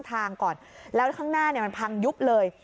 ทางก่อนแล้วข้างหน้ามันพังยุบเลย